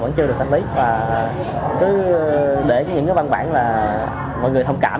và cứ để những văn bản là mọi người thông cảm